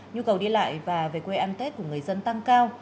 nhu cầu đi lại và về quê ăn tết của người dân tăng cao